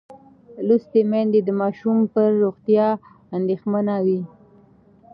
لوستې میندې د ماشوم پر روغتیا اندېښمنه وي.